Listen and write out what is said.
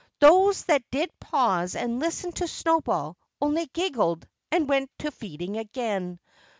Those that did pause and listen to Snowball only giggled and went to feeding again.